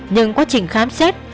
nhưng quá trình khám xét